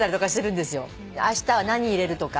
あしたは何入れるとか。